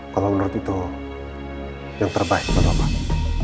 kalau menurut itu yang terbaik untuk papa